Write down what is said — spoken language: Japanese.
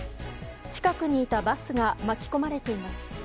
近くにいたバスが巻き込まれています。